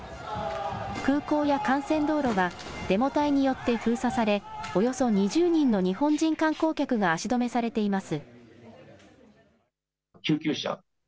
空港や幹線道路がデモ隊によって封鎖され、およそ２０人の日本人観光客が足止めされています。